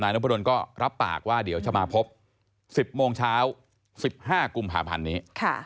นพดลก็รับปากว่าเดี๋ยวจะมาพบ๑๐โมงเช้า๑๕กุมภาพันธ์นี้